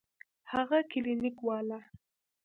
هغه کلينيک والا.